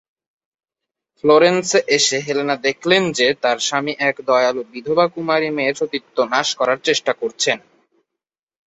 ফ্লোরেন্সে এসে হেলেনা দেখলেন যে, তার স্বামী এক দয়ালু বিধবার কুমারী মেয়ের সতীত্ব নাশ করার চেষ্টা করছেন।